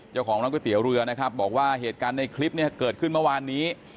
เจ้าของร้านก๋วยเตี๋ยวเรือนะครับบอกว่าเหตุการณ์ในคลิปเนี่ยเกิดขึ้นเมื่อวานนี้